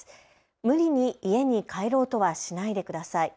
無理に家に帰ろうとはしないでください。